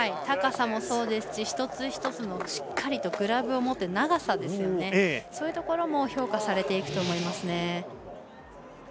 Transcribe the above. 高さもそうですし一つ一つしっかりグラブを持って長さ、そういうところも評価されていくと思いますね。